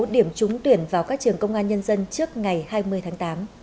điểm trúng tuyển vào các trường công an nhân dân trước ngày hai mươi tháng tám